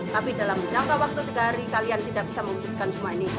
tapi dalam jangka waktu tiga hari kalian tidak bisa mewujudkan semua ini